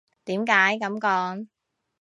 點解噉講？